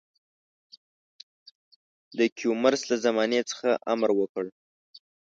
د کیومرث له زمانې څخه امر وکړ.